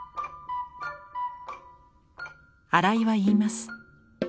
荒井は言います。